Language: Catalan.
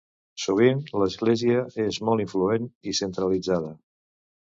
Sovint, l'Església és molt influent i centralitzada.